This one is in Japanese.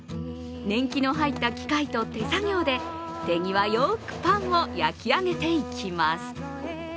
年季の入った機械と手作業で手際よくパンを焼き上げていきます。